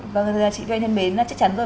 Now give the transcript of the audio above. vâng chị vân thân mến chắc chắn rồi